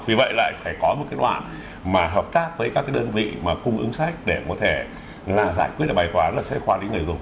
vì vậy lại phải có một cái loại mà hợp tác với các đơn vị mà cung ứng sách để có thể giải quyết bài khoá là sách giáo khoa lĩnh người dùng